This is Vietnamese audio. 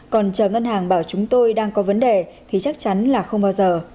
còn chờ ngân hàng bảo chúng tôi đang có vấn đề thì chắc chắn là không bao giờ